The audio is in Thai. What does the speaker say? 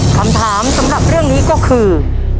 คำถามสำหรับเรื่องนี้ก็คือ